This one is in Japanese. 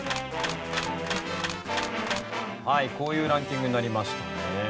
はいこういうランキングになりましたね。